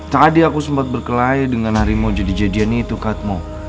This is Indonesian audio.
tadi aku sempat berkelahi dengan harimau jadi jadian itu cutmu